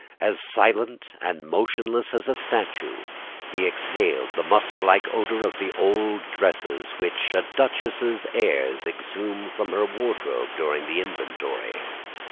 As silent and motionless as a statue, he exhaled the musk like odor of the old dresses which a duchess' heirs exhume from her wardrobe during the inventory.